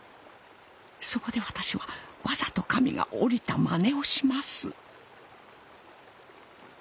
そこで私はわざと神が降りたまねをします。